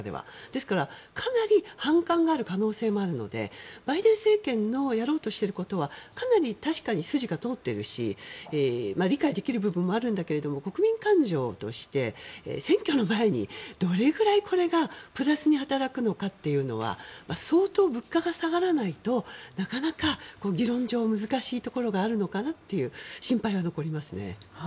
ですから、かなり反感がある可能性があるのでバイデン政権のやろうとしていることはかなり、確かに筋が通っているし理解できる部分もあるんだけど国民感情として選挙の前にどれぐらいこれがプラスに働くのかっていうのは相当、物価が下がらないとなかなか議論上難しいところがあるのかなという心配は残りますね。